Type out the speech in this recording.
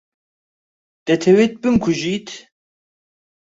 دەتەوێت بمکوژیت؟